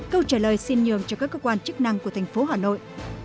câu trả lời xin nhường cho các cơ quan chức năng của thành phố hà nội